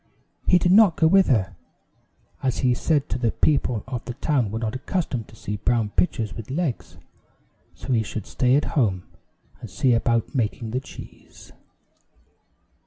He did not go with her, as he said the people of the town were not accustomed to see brown pitchers with legs, so he should stay at home and see about making the cheese.